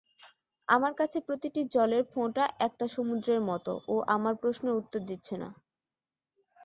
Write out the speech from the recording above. আমার কাছে প্রতিটি জলের ফোঁটা একটা সমুদ্রের মত ও আমার প্রশ্নের উত্তর দিচ্ছে না।